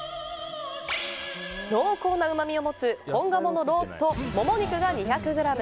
濃厚なうまみを持つ本鴨のロースとモモ肉が２００ｇ。